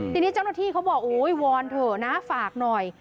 ทีนี้เจ้าหน้าที่เขาบอกโอ้ยวอนเถอะนะฝากหน่อย